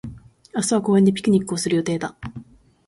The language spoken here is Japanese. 明日は公園でピクニックをする予定だ。